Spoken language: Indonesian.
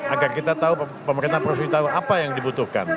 agar kita tahu pemerintah provinsi tahu apa yang dibutuhkan